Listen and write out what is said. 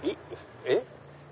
えっ？